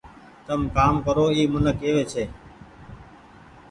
تم ڪآم ڪرو اي منڪ ڪيوي ڇي۔